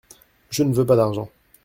Je ne veux pas d'argent.